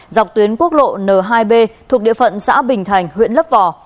dọc tuyến quốc lộ n hai b thuộc địa phận xã bình thành huyện lấp vò